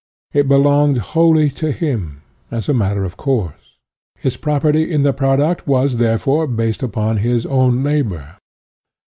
It belonged wholly to him, as a matter of course. His property in the prod uct was, therefore, based upon his own labor.